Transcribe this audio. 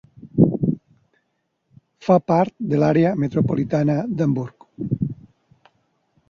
Fa part de l'Àrea metropolitana d'Hamburg.